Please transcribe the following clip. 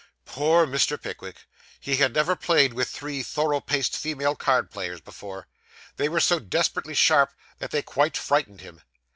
Poor Mr. Pickwick! he had never played with three thorough paced female card players before. They were so desperately sharp, that they quite frightened him.